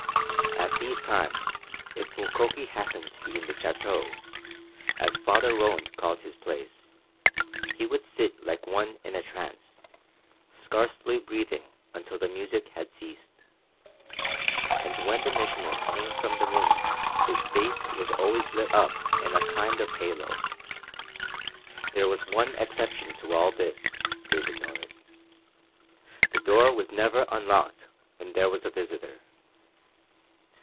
At these times, if Mukoki happened to be in the Château, as Father Roland called his place, he would sit like one in a trance, scarcely breathing until the music had ceased. And when the Missioner came from the room his face was always lit up in a kind of halo. There was one exception to all this, David noticed. The door was never unlocked when there was a visitor.